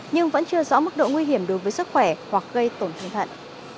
nhưng vẫn chưa rõ mức độ nguy hiểm đối với sức khỏe hoặc gây tổn thương thận